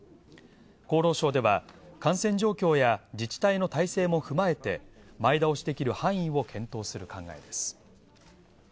厚労省では感染状況や自治体の体制も踏まえて前倒しできる範囲を検討する考えです。